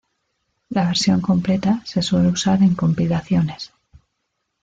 La versión completa se suele usar en compilaciones.